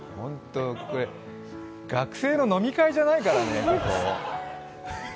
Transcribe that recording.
これ、学生の飲み会じゃないからね。